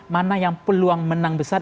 mana yang peluang menang besar